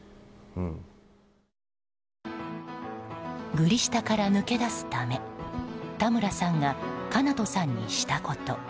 グリ下から抜け出すため田村さんがかなとさんにしたこと。